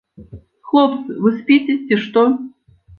Хлопцы, вы спіце, ці што?